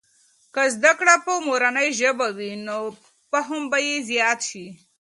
که زده کړې په مورنۍ ژبې وي، نو فهم به زيات سي.